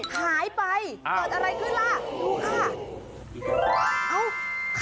หายไปเกิดอะไรขึ้นล่ะดูค่ะ